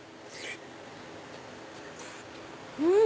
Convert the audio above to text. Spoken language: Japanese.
うん！